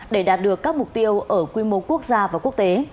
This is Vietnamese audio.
để đạt được các mục tiêu ở quy mô quốc gia và quốc tế